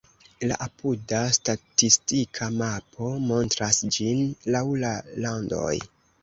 La apuda statistika mapo montras ĝin laŭ la landoj.